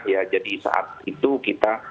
ya jadi saat itu kita